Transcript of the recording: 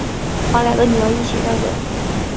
把两个女儿一起带走